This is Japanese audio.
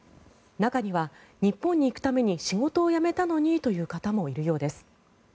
中には日本に行くために仕事を辞めたのにという方もいるようです。